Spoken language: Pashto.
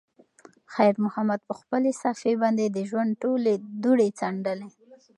خیر محمد په خپلې صافې باندې د ژوند ټولې دوړې څنډلې.